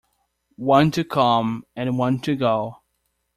One to come, and one to go.